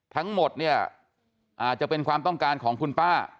ทั้งหมดเนี่ยอาจจะเป็นความต้องการของคุณป้า